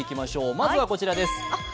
まずはこちらです。